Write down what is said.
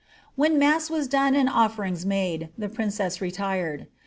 \Vhen mass was done and offerings made, the princess retired.